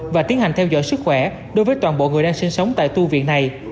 và tiến hành theo dõi sức khỏe đối với toàn bộ người đang sinh sống tại tu viện này